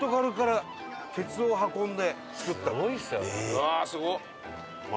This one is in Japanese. うわーすごっ！